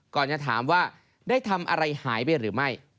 ก่อนจะถามว่าได้ทำอะไรหายไปหรือไม่